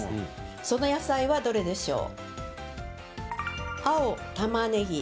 その野菜は、どれでしょう？